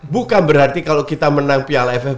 bukan berarti kalau kita menang piala ff